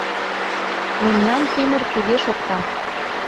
Мемнан тӱмыр туге шокта.